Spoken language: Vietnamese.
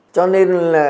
cho nên là